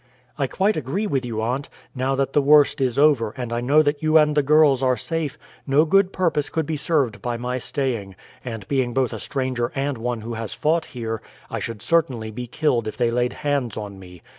"I quite agree with you, aunt. Now that the worst is over, and I know that you and the girls are safe, no good purpose could be served by my staying; and being both a stranger and one who has fought here, I should certainly be killed if they laid hands on me.